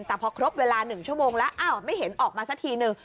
แต่พอครบเวลา๑ชั่วโมงแล้วอ้าวไม่เห็นออกมาสักทีนึง